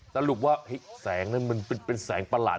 สรุปว่าแสงนั้นมันเป็นแสงประหลาด